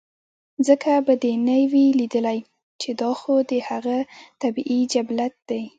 ځکه به دې نۀ وي ليدلے چې دا خو د هغه طبعي جبلت دے